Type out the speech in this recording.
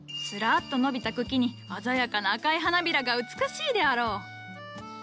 スラッと伸びた茎に鮮やかな赤い花びらが美しいであろう。